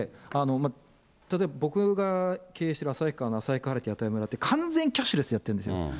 例えば僕が経営してる旭川の旭川駅の辺りは、完全キャッシュレスやってるんですよ。